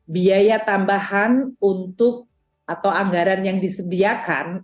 biaya tambahan untuk atau anggaran yang disediakan